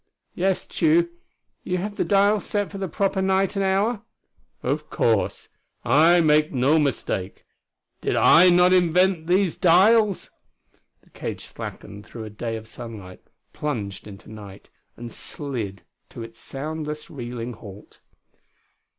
"Yes, Tugh. You have the dial set for the proper night and hour?" "Of course. I make no mistake. Did I not invent these dials?" The cage slackened through a day of sunlight; plunged into a night; and slid to its soundless, reeling halt....